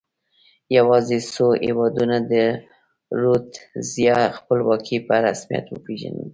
یوازې څو هېوادونو د رودزیا خپلواکي په رسمیت وپېژندله.